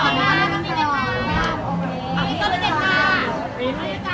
อันนี้มันเป็นอันนที่เกี่ยวกับเมืองที่เราอยู่ในประเทศอเมริกา